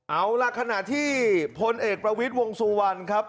เอาล่ะขณะที่พลเอกประวิทย์วงสุวรรณครับ